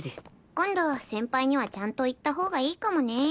今度先輩にはちゃんと言ったほうがいいかもね。